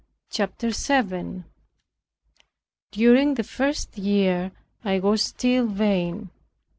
CHAPTER 7 During the first year I was still vain.